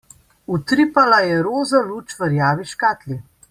Utripala je roza luč v rjavi škatli.